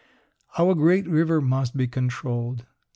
Our great river must be controlled.